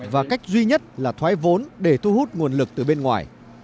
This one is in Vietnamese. và cách duy nhất là thoái vốn để thu hút nguồn lực từ bên ngoài